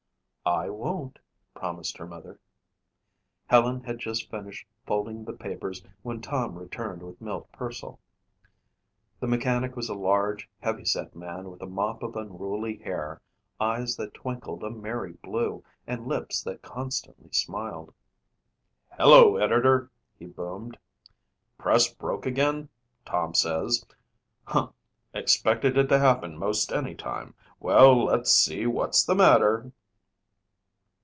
"I won't," promised her mother. Helen had just finished folding the papers when Tom returned with Milt Pearsall. The mechanic was a large, heavy set man with a mop of unruly hair, eyes that twinkled a merry blue, and lips that constantly smiled. "Hello, Editor," he boomed. "Press broke again, Tom says. Huh, expected it to happen most anytime. Well, let's see what's the matter."